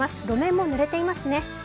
路面もぬれていますね。